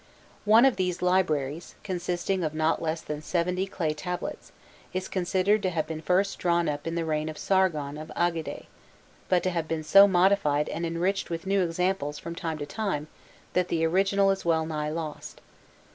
One of these libraries, consisting of not less than seventy clay tablets, is considered to have been first drawn up in the reign of Sargon of Agade, but to have been so modified and enriched with new examples from time to time that the original is well nigh lost.